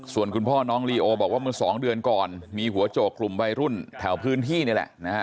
ส่วนคุณพ่อน้องลีโอบอกว่าเมื่อสองเดือนก่อนมีหัวโจกกลุ่มวัยรุ่นแถวพื้นที่นี่แหละนะฮะ